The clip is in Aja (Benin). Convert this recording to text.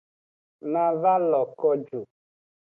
Na va lo ko ju.